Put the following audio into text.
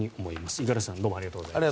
五十嵐さんどうもありがとうございました。